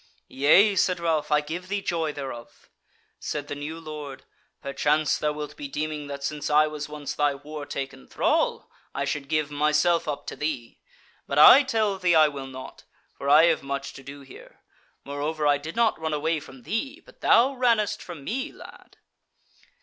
"Yea," said Ralph, "I give thee joy thereof!" Said the new Lord: "Perchance thou wilt be deeming that since I was once thy war taken thrall I should give myself up to thee: but I tell thee I will not: for I have much to do here. Moreover I did not run away from thee, but thou rannest from me, lad."